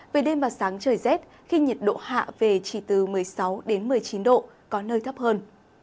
về đêm và sáng trời rét khi nhiệt độ hạ về chỉ từ một mươi sáu đến một mươi chín độ có nơi thấp hơn